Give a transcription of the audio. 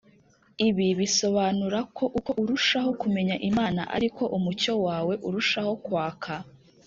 Ibi bisobanura ko uko urushaho kumenya imana ari ko umucyo wae urushaho kwaka